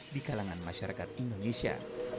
di kalangan masyarakat indonesia